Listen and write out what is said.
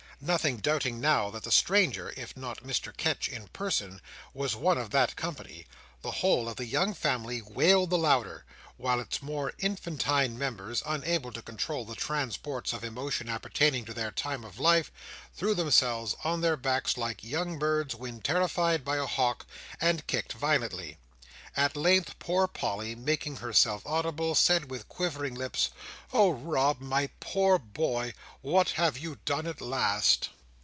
Nothing doubting now that the stranger, if not Mr Ketch in person, was one of that company, the whole of the young family wailed the louder, while its more infantine members, unable to control the transports of emotion appertaining to their time of life, threw themselves on their backs like young birds when terrified by a hawk, and kicked violently. At length, poor Polly making herself audible, said, with quivering lips, "Oh Rob, my poor boy, what have you done at last!"